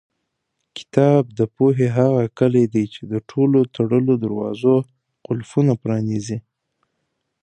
کتاب د پوهې هغه کلۍ ده چې د ټولو تړلو دروازو قلفونه پرانیزي.